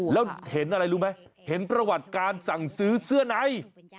แล้วเห็นอะไรรู้ไหมเห็นประวัติการสั่งซื้อเสื้อใน